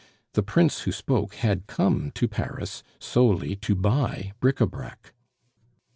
The prince who spoke had come to Paris solely to buy bric a brac.